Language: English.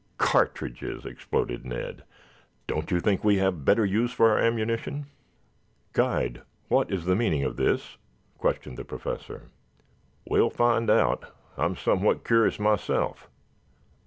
"Cartridges!" exploded Ned. "Don't you think we have better use for our ammunition?" "Guide, what is the meaning of this?" questioned the Professor. "We will find out. I am somewhat curious myself.